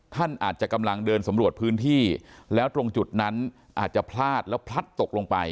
ท่านอาจจะกำลังเดินสำรวจพื้นที่แล้วตรงจุดนั้นอาจจะพลาดแล้วพลัดตกลงไป